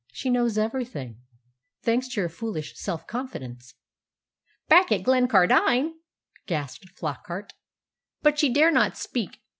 She knows everything, thanks to your foolish self confidence." "Back at Glencardine!" gasped Flockart. "But she dare not speak.